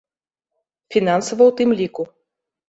Фінансава ў тым ліку.